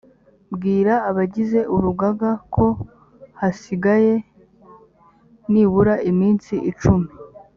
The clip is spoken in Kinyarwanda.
bwira abagize urugaga ko hasigaye nibura iminsi icumi